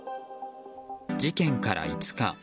事件から５日。